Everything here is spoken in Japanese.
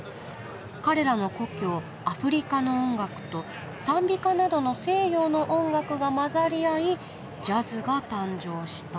彼らの故郷アフリカの音楽と賛美歌などの西洋の音楽が混ざり合いジャズが誕生した」。